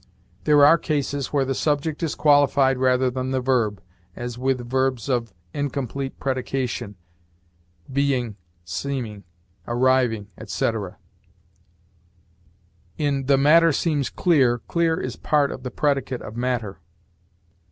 There are cases where the subject is qualified rather than the verb, as with verbs of incomplete predication, 'being,' 'seeming,' 'arriving,' etc. In 'the matter seems clear,' 'clear' is part of the predicate of 'matter.'